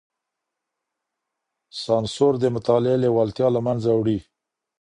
سانسور د مطالعې لېوالتيا له منځه وړي.